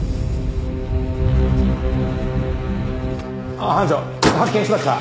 あっ班長発見しました。